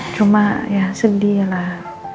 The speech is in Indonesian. cuma ya sedih lah